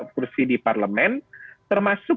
kursi di parlemen termasuk